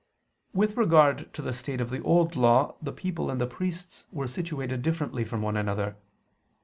With regard to the state of the Old Law the people and the priests were situated differently from one another.